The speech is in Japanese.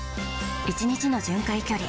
１日の巡回距離